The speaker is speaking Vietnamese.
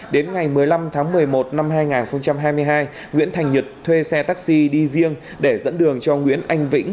đến ngày một mươi năm tháng một mươi một năm hai nghìn hai mươi hai nguyễn thành nhật thuê xe taxi đi riêng để dẫn đường cho nguyễn anh vĩnh